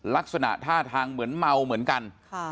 ลักษณะท่าทางเหมือนเมาเหมือนกัน